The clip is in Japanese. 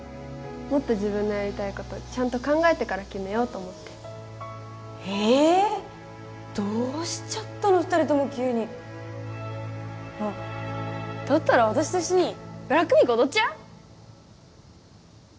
もっと自分のやりたいことちゃんと考えてから決めようと思ってええどうしちゃったの二人とも急にあっだったら私と一緒にＢＬＡＣＫＰＩＮＫ踊っちゃう？